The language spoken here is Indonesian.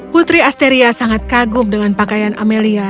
putri asteria sangat kagum dengan pakaian amelia